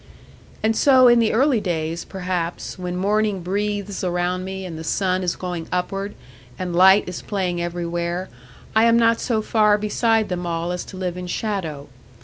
'And so in the early days perhaps, when morning breathes around me, and the sun is going upward, and light is playing everywhere, I am not so far beside them all as to live in shadow.